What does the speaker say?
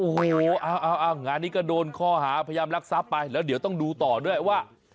โอ้โหเอางานนี้ก็โดนข้อหาพยายามรักทรัพย์ไปแล้วเดี๋ยวต้องดูต่อด้วยว่า